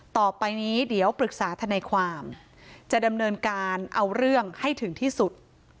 ต่อไปนี้เดี๋ยวปรึกษาทนายความจะดำเนินการเอาเรื่องให้ถึงที่สุด